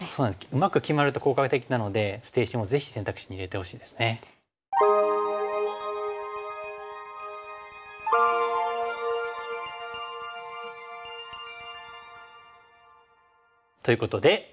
うまく決まると効果的なので捨て石もぜひ選択肢に入れてほしいですね。ということで。